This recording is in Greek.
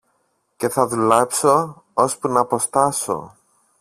και θα δουλέψω ώσπου ν' αποστάσω.